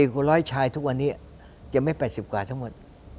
กว่าร้อยชายทุกวันนี้จะไม่๘๐กว่าทั้งหมด